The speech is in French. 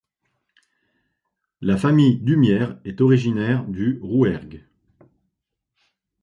La famille d'Humières est originaire du Rouergue.